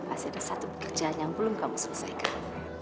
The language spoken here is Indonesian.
masih ada satu pekerjaan yang belum kamu selesaikan